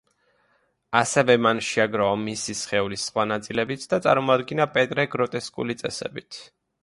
ასევე მან შეაგროვა მისი სხეულის სხვა ნაწილებიც და წარმოადგინა პეტრე გროტესკული წესებით.